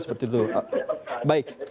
seperti itu baik